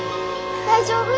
大丈夫？